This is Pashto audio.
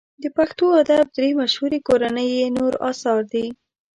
د پښتو ادب درې مشهوري کورنۍ یې نور اثار دي.